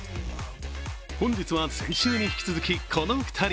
本日は先週に引き続き、この２人。